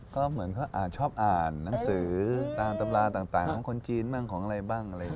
ก็เหมือนเขาอ่านชอบอ่านหนังสือตามตำราต่างของคนจีนบ้างของอะไรบ้างอะไรอย่างนี้